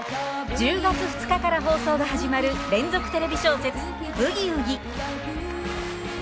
１０月２日から放送が始まる連続テレビ小説「ブギウギ」。